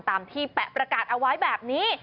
ตามที่แปะประกาศเอาไว้แบบนี้